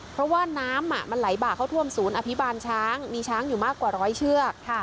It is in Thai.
เพราะว่าน้ำมันไหลบากเข้าท่วมศูนย์อภิบาลช้างมีช้างอยู่มากกว่าร้อยเชือก